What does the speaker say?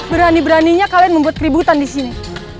berani beraninya kalian membuat keributan di sini